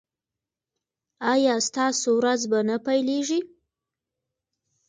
ایا ستاسو ورځ به نه پیلیږي؟